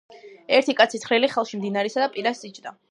ერთი კაცი ცხრილი ხელში მდინარისა პირას იჯდა.